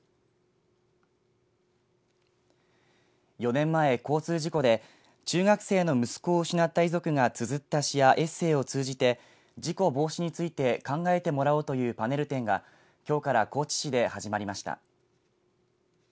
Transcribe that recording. ４年前、交通事故で中学生の息子を失った遺族がつづった詩やエッセーを通じて事故防止について考えてもらおうというパネル展がきょうから高知市で始まりました。